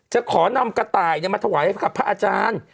จะขอนำกระต่ายมาถวายให้กับพระอาจารย์